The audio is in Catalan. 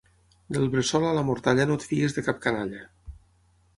Del bressol a la mortalla no et fiïs de cap canalla.